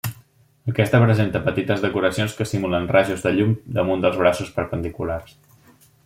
Aquesta presenta petites decoracions que simulen rajos de llum damunt els braços perpendiculars.